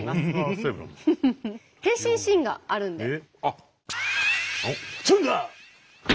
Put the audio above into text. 変身シーンがあるんで。